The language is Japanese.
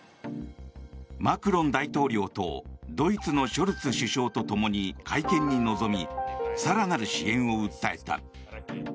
マクロン大統領とドイツのショルツ首相とともに会見に臨み更なる支援を訴えた。